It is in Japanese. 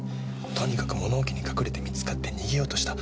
とにかく物置に隠れて見つかって逃げようとした。